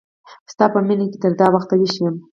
ستا په مینه کی تر دا وخت ویښ یم